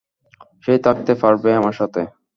সে থাকতে পারবে আমার সাথে?